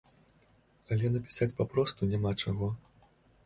Але напісаць папросту няма чаго!